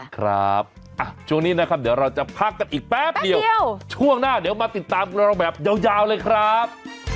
ครับช่วงนี้นะครับเดี๋ยวเราจะพักกันอีกแป๊บเดียวช่วงหน้าเดี๋ยวมาติดตามเราแบบยาวเลยครับ